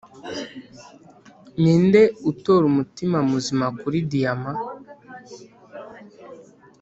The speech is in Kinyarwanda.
ninde utora umutima muzima kuri diyama.